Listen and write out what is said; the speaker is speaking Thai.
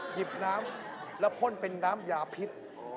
หยิบน้ำแล้วพ่นเป็นน้ำยาพิษ